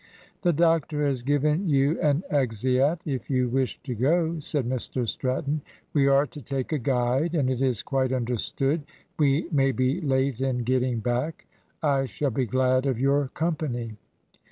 "The doctor has given you an exeat if you wish to go," said Mr Stratton. "We are to take a guide, and it is quite understood we may be late in getting back. I shall be glad of your company."